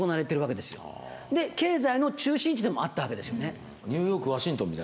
で経済の中心地でもあったわけですよね。